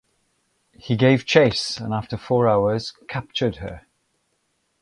He gave chase and after four hours captured her.